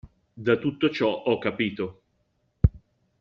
Da tutto ciò ho capito.